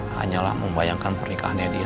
hanyalah membayangkan pernikahannya dia